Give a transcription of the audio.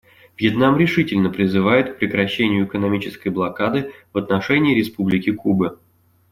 Вьетнам решительно призывает к прекращению экономической блокады в отношении Республики Кубы.